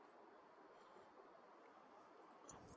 El Alcázar.